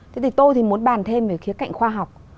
thế thì tôi thì muốn bàn thêm về khía cạnh khoa học